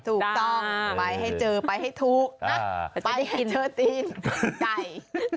ถูกต้องไปให้เจอไปให้ถูกนะไปให้เธอตีนไก่